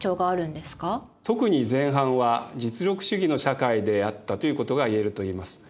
特に前半は実力主義の社会であったということがいえるといえます。